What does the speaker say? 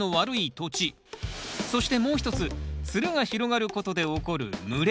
そしてもう一つつるが広がることで起こる蒸れ。